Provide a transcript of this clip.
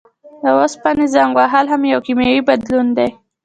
د اوسپنې زنګ وهل هم یو کیمیاوي بدلون دی.